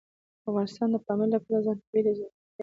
افغانستان د پامیر له پلوه ځانته بېلې او ځانګړتیاوې لري.